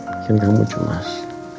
bikin kamu cemas